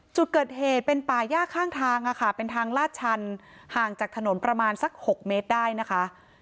จุดเกิดเหตุเป็นป่าย่าข้างทางค่ะเป็นทางลาดชันห่างจากถนนประมาณสัก๖เมตรได้นะคะ